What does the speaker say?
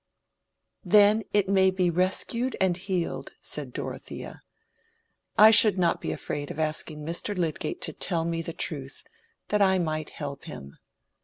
"Then it may be rescued and healed," said Dorothea "I should not be afraid of asking Mr. Lydgate to tell me the truth, that I might help him.